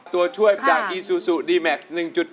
ตัวช่วยจากอีซูซูดีแม็กซ์๑๗